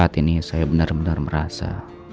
saat ini saya benar benar merasa